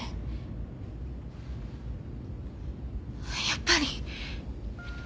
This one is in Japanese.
やっぱり。